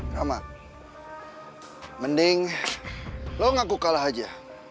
sama mending lo ngaku kalah aja